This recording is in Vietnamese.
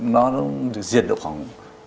nó được diệt được khoảng